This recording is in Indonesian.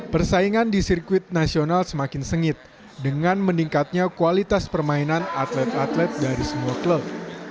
persaingan di sirkuit nasional semakin sengit dengan meningkatnya kualitas permainan atlet atlet dari semua klub